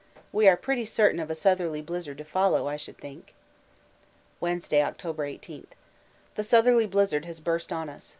We are pretty certain of a southerly blizzard to follow, I should think. Wednesday, October 18. The southerly blizzard has burst on us.